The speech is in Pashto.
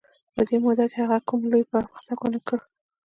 په دې موده کې هغه کوم لوی پرمختګ ونه کړ.